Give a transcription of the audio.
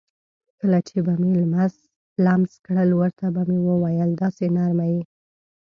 کله چې به مې لمس کړل ورته به مې وویل: داسې نرمه یې.